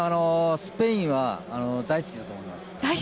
スペインは大好きだと思います。